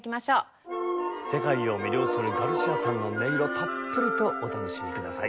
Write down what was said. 世界を魅了するガルシアさんの音色たっぷりとお楽しみください。